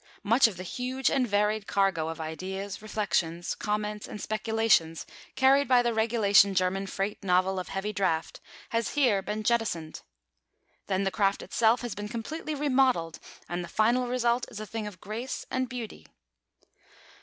Much of the huge and varied cargo of ideas, reflections, comments, and speculations carried by the regulation German freight novel of heavy draught, has here been jettisoned. Then the craft itself has been completely remodelled, and the final result is a thing of grace and beauty.